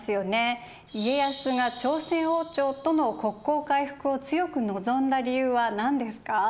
家康が朝鮮王朝との国交回復を強く望んだ理由は何ですか？